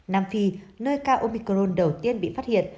nam phi nơi ca omicron đầu tiên bị phát hiện